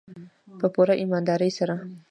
په پوره ایمانداري سره.